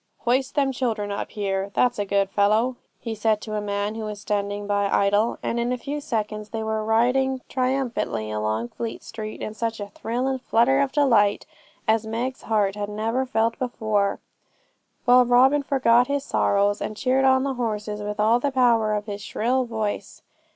'Hoist them children up here, that's a good fellow,' he said to a man who was standing by idle; and in a few seconds more they were riding triumphantly along Fleet Street in such a thrill and flutter of delight as Meg's heart had never felt before, while Robin forgot his sorrows, and cheered on the horses with all the power of his shrill voice.